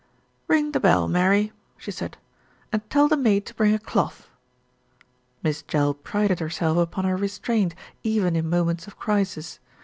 "Ring the bell, Mary," she said, "and tell the maid to bring a cloth." Miss Jell prided herself upon her restraint, even in moments of crisis.